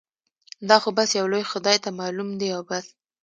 دا خو بس يو لوی خدای ته معلوم دي او بس.